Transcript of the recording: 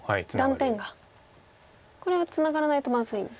これはツナがらないとまずいんですね。